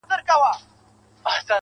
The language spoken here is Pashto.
صدقه دي سم تر تكــو تــورو سترگو~